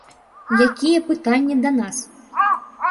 Якія пытанні да нас?